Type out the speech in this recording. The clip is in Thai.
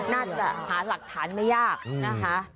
น่าจะหาหลักฐานไม่ยากนะคะ